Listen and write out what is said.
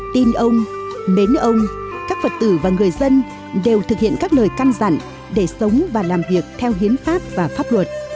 tin ông mến ông các phật tử và người dân đều thực hiện các lời căn dặn để sống và làm việc theo hiến pháp và pháp luật